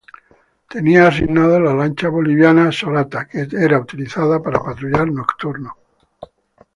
Tenía asignado la lancha boliviana "Sorata", que era utilizada para patrullaje nocturno.